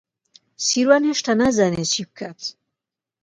سیروان هێشتا نازانێت چی بکات.